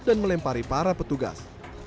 dan melempari para petugas